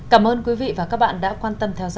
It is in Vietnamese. cảm ơn quý vị và các bạn đã quan tâm theo dõi